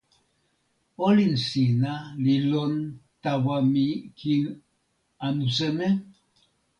olin sina li lon tawa mi kin anu seme?